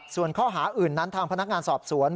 ส่วนข้อหาอื่นนั้นทางพนักงานสอบสวน